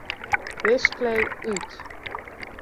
Display út.